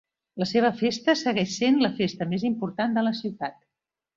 La seva festa segueix sent la festa més important de la ciutat.